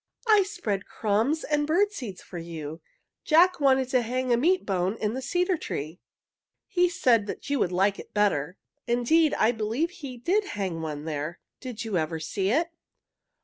"I spread crumbs and bird seed for you. Jack wanted to hang a meat bone in the cedar tree. He said that you would like it better. Indeed, I believe he did hang one there. Did you ever see it?"